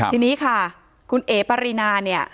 ทีนี้ค่ะคุณเอ๋ปรินา